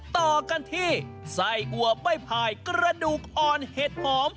ต่อกันที่ไส้อัวใบพายกระดูกอ่อนเห็ดหอม